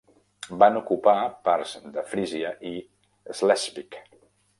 Van ocupar parts de Frisia i Schleswig.